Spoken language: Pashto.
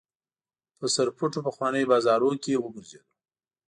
په سرپټو پخوانیو بازارونو کې وګرځېدو.